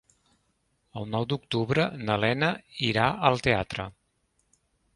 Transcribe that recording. El nou d'octubre na Lena irà al teatre.